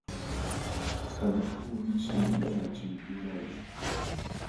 Кандашлу вич теҥгелан ачий ужалыш...